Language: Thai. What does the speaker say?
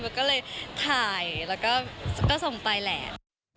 ก็เลยถ่ายแล้วก็ส่งไปแหละ